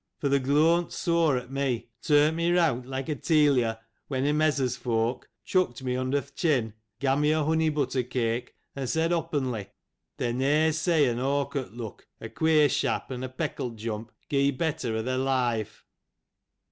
— for they glooar'nt sooar at mo ; turn't mo reawnd like a tayliur, when he mezzurs folk ; chuckt mo under th' chin ; ga' mo a honey butter cake, an said oppenly, they ne'er saigh an awkert look, a quare shap, an a peckl't jump gee better eh their live.